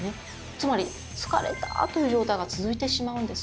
つまり疲れたという状態が続いてしまうんです。